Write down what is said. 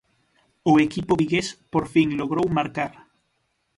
O equipo vigués por fin logrou marcar.